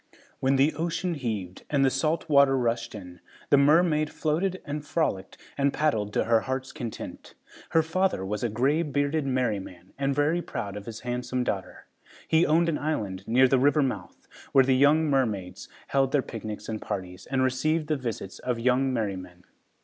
When the ocean heaved and the salt water rushed in, the mermaid floated and frolicked and paddled to her heart's content. Her father was a gray bearded merryman and very proud of his handsome daughter. He owned an island near the river mouth, where the young mermaids held their picnics and parties and received the visits of young merrymen.